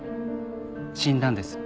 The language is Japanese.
死んだんです